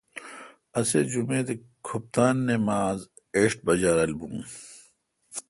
اسے° جمیت اے°کھپتان نماز ایݭٹھ بجا رل بون